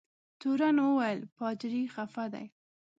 تورن وویل پادري خفه دی.